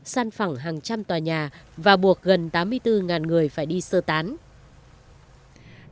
san phẳng hàng trăm tòa nhà và buộc gần tám mươi bốn người phải đi sơ tán